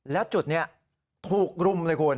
แล้วจุดนี้ถูกรุมเลยคุณ